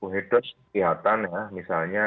hidup kelihatan ya misalnya